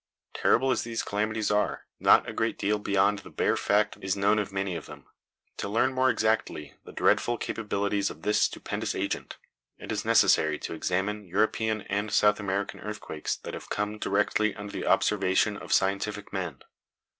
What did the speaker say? Terrible as these calamities are, not a great deal beyond the bare fact is known of many of them. To learn more exactly the dreadful capabilities of this stupendous agent, it is necessary to examine European and South American earthquakes that have come directly under the observation of scientific men.